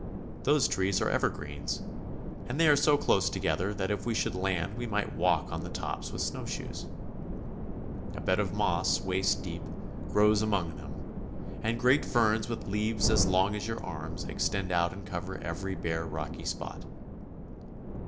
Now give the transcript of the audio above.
Those trees are evergreens, and they are so close to gether that if we should land we might walk on their tops with snowshoes. A bed of moss, waist deep, grows STRAIT OF MAGELLAN. 1 53 among them, and great ferns with leaves as long as your arms extend out and cover every bare, rocky spot.